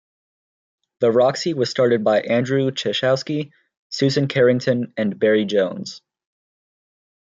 The Roxy was started by Andrew Czezowski, Susan Carrington and Barry Jones.